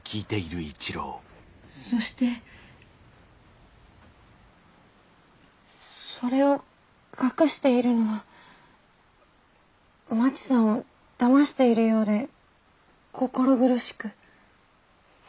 そしてそれを隠しているのはまちさんをだましているようで心苦しく。